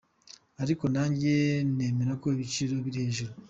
Ariko nanjye nemera ko ibiciro biri hejuru.